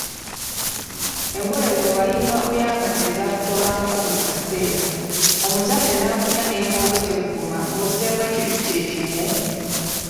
Engoye zewalinga oyambadde zaakutobangako buli kaseera, omuzadde nakunya n'embooge tebuguma nga ozzeemu ekintu kye kimu?